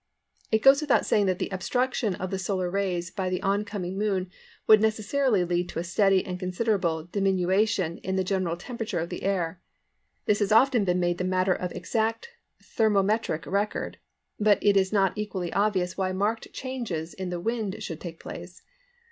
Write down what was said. It goes without saying that the obstruction of the solar rays by the oncoming Moon would necessarily lead to a steady and considerable diminution in the general temperature of the air. This has often been made the matter of exact thermometric record, but it is not equally obvious why marked changes in the wind should take place.